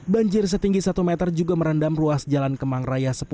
banjir setinggi satu meter juga merendam ruas jalan kemang raya sepuluh